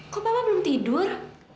kok papa belum tidur